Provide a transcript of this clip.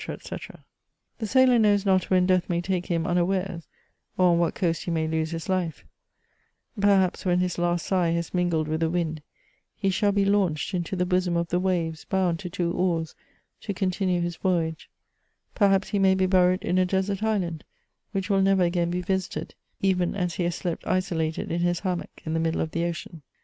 &c The sailor knows not when death may take him unawares, or on what coast he may lose his life : perhaps when his last sigh has mingled with the wind, he shall be launched into the bosom of the waves, bound to two oars, to continue his voyage ; per haps he may be buried in a desert island, which will never again be visited, even as he has slept isolated in his hammock, in the middle of the ocean.